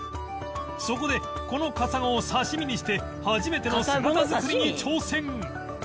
そこでこのカサゴを刺し身にして初めての姿造りに挑戦！